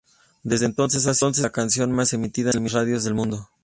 Desde entonces, ha sido la canción más emitida en las radios del mundo.